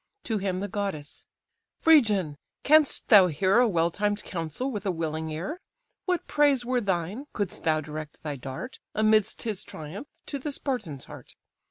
To him the goddess: "Phrygian! canst thou hear A well timed counsel with a willing ear? What praise were thine, couldst thou direct thy dart, Amidst his triumph, to the Spartan's heart?